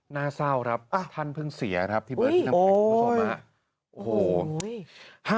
น่าเศร้าท่านเพิ่งเสียที่เบิดที่น้ำหนักมา